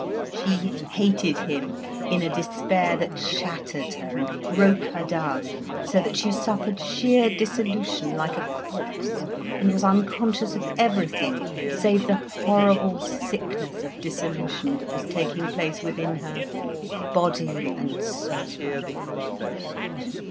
She hated him in a despair that shattered her and broke her down, so that she suffered sheer dissolution like a corpse, and was unconscious of everything save the horrible sickness of dissolution that was taking place within her, body and soul.